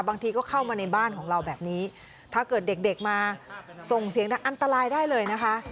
บางทีก็เข้ามาในบ้านของเราแบบนี้ถ้าเกิดเด็กเด็กมาส่งเสียงดังอันตรายได้เลยนะคะ